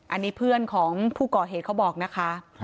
อันนี้เพื่อนของผู้ก่อเหตุเขาบอกนะคะ